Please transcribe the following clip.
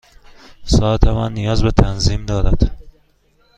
ساعت من نیاز به تنظیم دارد.